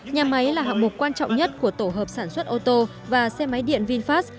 nhà máy là hạng mục quan trọng nhất của tổ hợp sản xuất ô tô và xe máy điện vinfast